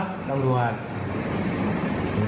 ก็คิดหน่อยนะครับตำรวจ